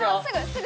すぐ？